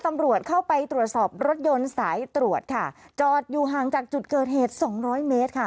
ตำรวจเข้าไปตรวจสอบรถยนต์สายตรวจค่ะจอดอยู่ห่างจากจุดเกิดเหตุสองร้อยเมตรค่ะ